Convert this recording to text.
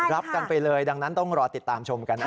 รับกันไปเลยดังนั้นต้องรอติดตามชมกันนะ